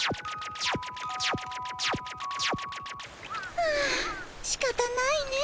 はあしかたないね。